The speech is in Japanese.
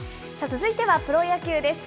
続いてはプロ野球です。